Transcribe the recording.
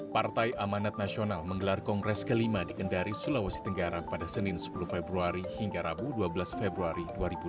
partai amanat nasional menggelar kongres kelima di kendari sulawesi tenggara pada senin sepuluh februari hingga rabu dua belas februari dua ribu dua puluh